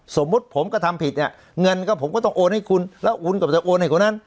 สมมุติผมก็ทำผิดเนี่ยเงินก็ผมก็ต้องโอนให้คุณแล้วคุณก็จะโอนให้คนนั้น